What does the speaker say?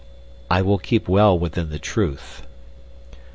"I will keep well within the truth."